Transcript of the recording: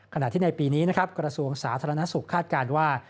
ขณะที่ในปีนี้กรสูงสาธารณสุขคาดการณ์ว่า